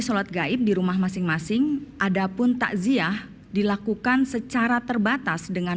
sholat gaib di rumah masing masing adapun takziah dilakukan secara terbatas dengan